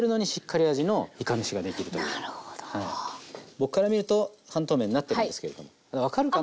僕から見ると半透明になってるんですけれども分かるかな？